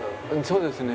そうですね。